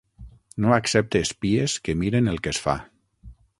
No accepte espies que miren el que es fa.